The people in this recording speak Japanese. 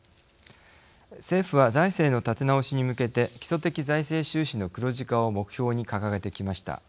政府は財政の立て直しに向けて基礎的財政収支の黒字化を目標に掲げてきました。